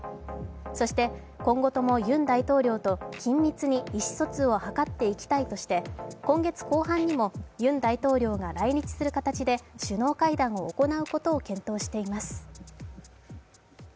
そして、今後ともユン大統領と緊密に意思疎通を図っていきたいとして今月後半にもユン大統領が来日する形で首脳会談を行うことを検討しています。